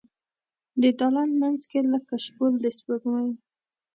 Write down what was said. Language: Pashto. د دالان مینځ کې لکه شپول د سپوږمۍ